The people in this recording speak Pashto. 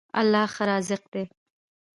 الله ښه رازق دی.